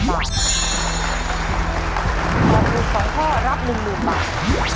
ถ้าตอบถูก๒ข้อรับ๑หนูบาท